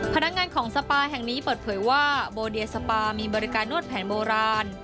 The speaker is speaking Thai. พนักงานของสปาแห่งนี้เปิดเผยว่าโบเดียสปามีบริการนวดแผนโบราณ